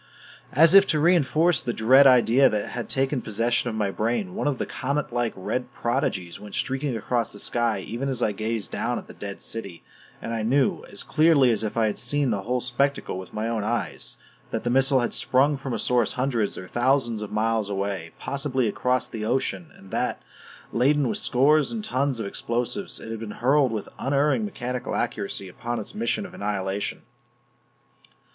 As if to reinforce the dread idea that had taken possession of my brain, one of the comet like red prodigies went streaking across the sky even as I gazed down at the dead city; and I knew as clearly as if I had seen the whole spectacle with my own eyes that the missile had sprung from a source hundreds or thousands of miles away, possibly across the ocean; and that, laden with scores of tons of explosives, it had been hurled with unerring mechanical accuracy upon its mission of annihilation.